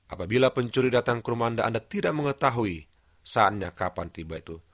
apabila pencuri datang ke rumah anda anda tidak mengetahui saatnya kapan tiba itu